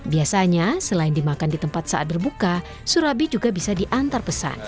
biasanya selain dimakan di tempat saat berbuka surabi juga bisa diantar pesan